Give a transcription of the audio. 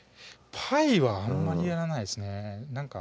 パイはあんまりやらないですねなんか